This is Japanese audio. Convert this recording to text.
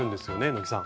野木さん。